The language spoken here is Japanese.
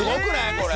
これ。